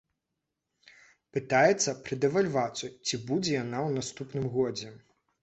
Пытаецца пра дэвальвацыю, ці будзе яна ў наступным годзе?